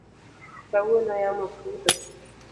Kawuono yamo fudho